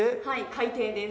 海底です。